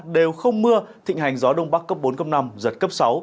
đều không mưa thịnh hành gió đông bắc cấp bốn năm giật cấp sáu